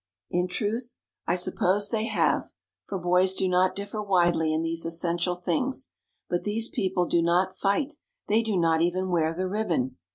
In truth, I suppose they 8 98 THE DAY BEFORE YESTERDAY have ; for boys do not differ widely in these essential things. But these people do not fight ; they do not even wear the ribbon